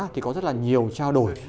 thì có rất là nhiều trao đổi